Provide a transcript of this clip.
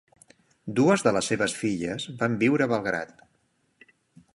Dues de les seves filles van viure a Belgrad.